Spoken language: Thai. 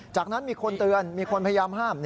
จากนั้นมีคนเตือนมีคนพยายามห้าม